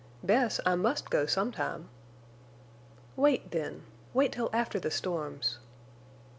"Bess, I must go sometime." "Wait then. Wait till after the storms."